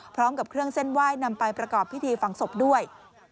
พร้อมกับเครื่องเส้นไหว้นำไปประกอบพิธีฝังศพด้วย